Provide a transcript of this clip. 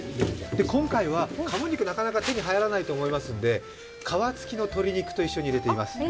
今回は鴨肉なかなか手に入らないと思いますので皮付きの鶏肉と一緒に入れています。